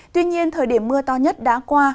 tuy nhiên thời điểm mưa to nhất đã qua